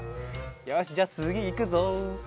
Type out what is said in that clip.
よしじゃあつぎいくぞ。